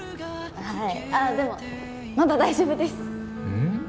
はいあっでもまだ大丈夫ですうん？